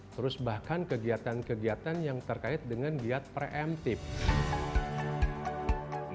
terus bahkan kegiatan kegiatan yang terkait dengan giat preemptif